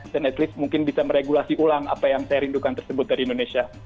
dan setidaknya mungkin bisa meregulasi ulang apa yang saya rindukan tersebut dari indonesia